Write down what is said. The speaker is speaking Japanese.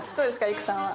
育さんは。